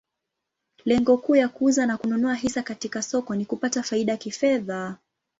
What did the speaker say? Lengo kuu ya kuuza na kununua hisa katika soko ni kupata faida kifedha.